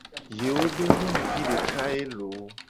Yewo be nyonuvi deka ye loo.